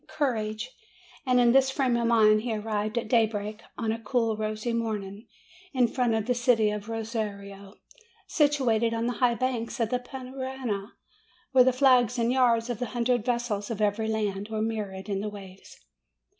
Courage!" And in this frame of mind he arrived at daybreak, on a cool rosy morning, in front of the city of Rosario, situated on the high bank of the Parana, where the flags and yards of a hundred vessels of every land were mirrored in the waves.